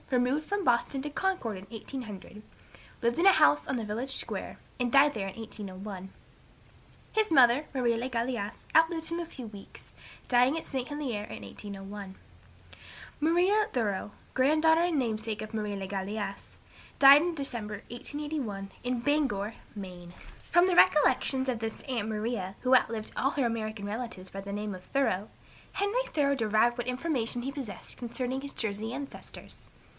removed from Boston to Concord, in 1800, lived in a house on the village square, and died there in 1801. His mother, Marie le Galais, outlived him a few weeks, dying at St. Helier, in 1801. Maria Thoreau, granddaughter and namesake of Marie le Galais, died in December, 1881, in Bangor, Maine. From the recollections of this "aunt Maria," who outlived all her American relatives by the name of Thoreau, Henry Thoreau derived what information he possessed concerning his Jersey ancestors.